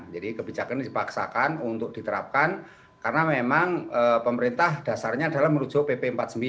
jadi kebijakan ini dipaksakan untuk diterapkan karena memang pemerintah dasarnya adalah menuju pp empat puluh sembilan